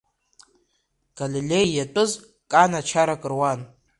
Галилеи иатәыз Кана чарак руан.